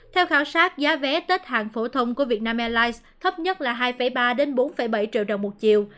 theo khảo sát giá vé tết hàng phổ thông của vietnam airlines thấp nhất là hai ba bốn bảy triệu đồng một triệu